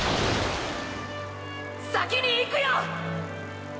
先にいくよ！！